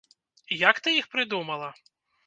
Як ты іх прыдумала?